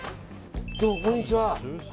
どうも、こんにちは。